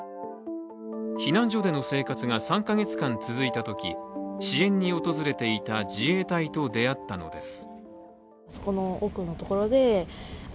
避難所での生活が３か月間続いたとき支援に訪れていた自衛隊と出会ったのです。